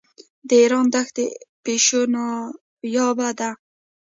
د ایران دښتي پیشو نایابه ده.